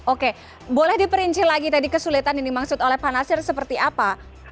oke boleh diperinci lagi tadi kesulitan ini dimaksud oleh panasir seperti apa